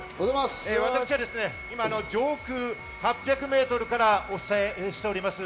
私は今、上空８００メートルからお伝えしております。